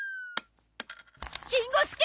しん五すけ！